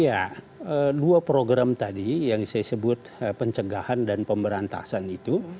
ya dua program tadi yang saya sebut pencegahan dan pemberantasan itu